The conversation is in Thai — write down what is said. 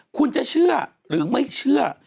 คุณจะเชื่อหรือไม่เชื่อ